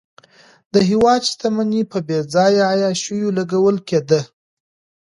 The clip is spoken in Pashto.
د هېواد شتمني په بېځایه عیاشیو لګول کېده.